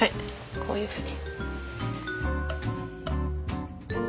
こういうふうに。